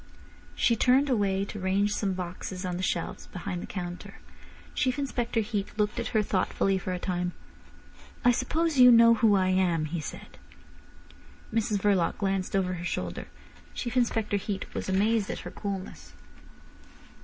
She turned away to range some boxes on the shelves behind the counter. Chief Inspector Heat looked at her thoughtfully for a time. "I suppose you know who I am?" he said. Mrs Verloc glanced over her shoulder. Chief Inspector Heat was amazed at her coolness.